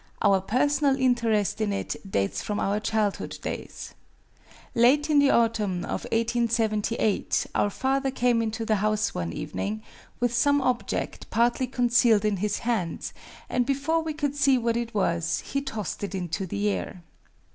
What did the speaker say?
Our personal interest in it dates from our childhood days. Late in the autumn of 1878 our father came into the house one evening with some object partly concealed in his hands, and before we could see what it was, he tossed it into the air.